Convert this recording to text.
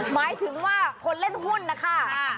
หมายถึงว่าคนเล่นหุ้นนะคะ